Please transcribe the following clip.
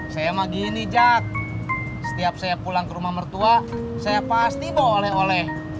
saya mah gini jak setiap saya pulang ke rumah mertua saya pasti boleh oleh